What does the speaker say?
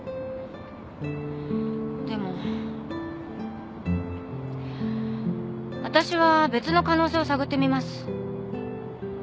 でもわたしは別の可能性を探ってみます。